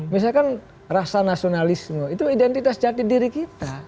misalkan rasa nasionalisme itu identitas jati diri kita